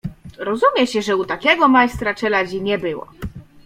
"Rozumie się, że u takiego majstra czeladzi nie było."